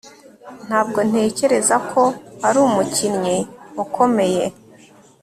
Ntabwo ntekereza ko ari umukinnyi ukomeye